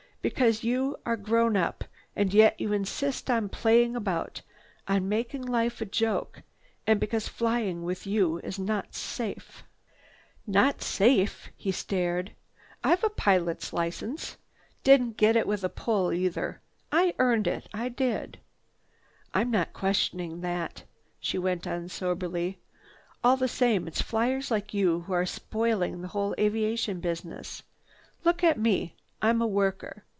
"Because you are grown up, and yet you insist on playing about, on making life a joke and because flying with you is not safe." "Not safe!" He stared. "I've a pilot's license. Didn't get it with a pull either. Earned it, I did." "I'm not questioning that," she went on soberly. "All the same, it's flyers like you who are spoiling this whole aviation business. Look at me—I'm a worker.